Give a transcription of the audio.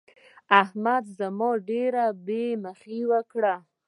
احمد زما ډېره بې مخي وکړه.